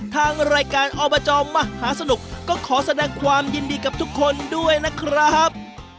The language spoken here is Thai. ทางรายการอบจมหาสนุกก็ขอแสดงความยินดีกับทุกคนด้วยนะครับ